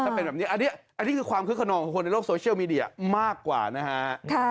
อันนี้คือความคึกขนองในโลกโซเชียลมีเดียมากกว่านะฮะ